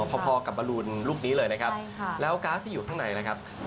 พอกับบรูนลูกนี้เลยนะครับแล้วก๊าซที่อยู่ข้างในนะครับ